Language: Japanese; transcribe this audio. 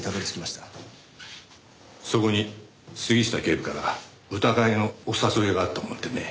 そこに杉下警部から歌会のお誘いがあったもんでね。